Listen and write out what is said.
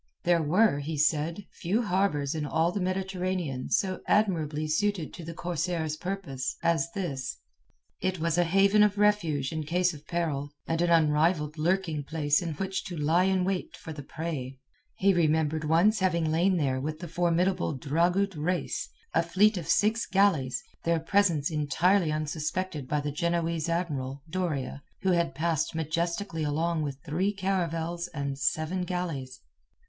There were, he said, few harbours in all the Mediterranean so admirably suited to the corsairs' purpose as this; it was a haven of refuge in case of peril, and an unrivalled lurking place in which to lie in wait for the prey. He remembered once having lain there with the formidable Dragut Reis, a fleet of six galleys, their presence entirely unsuspected by the Genoese admiral, Doria, who had passed majestically along with three caravels and seven galleys.